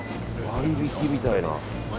割引みたいな。